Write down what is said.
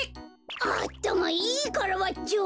あったまいいカラバッチョ！